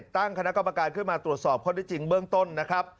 ตั้งคณะกรรมการขึ้นมาตรวจสอบข้อได้จริงเบื้องต้นนะครับ